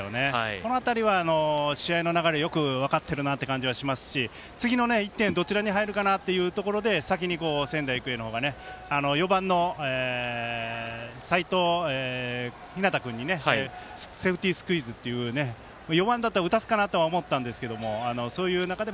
この辺りは試合の流れ、よく分かっているなという感じがしますし次の１点どちらに入るかなというところで先に仙台育英の方が４番の齋藤陽君にセーフティースクイズという４番だったら打たすかなと思ったんですがそういう中で